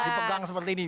dipegang seperti ini